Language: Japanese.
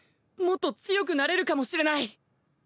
もっと強くなれるかもしれない。